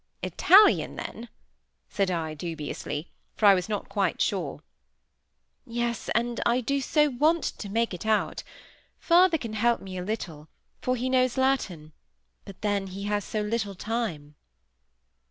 "Italian, then?" said I, dubiously; for I was not quite sure. "Yes. And I do so want to make it out. Father can help me a little, for he knows Latin; but then he has so little time."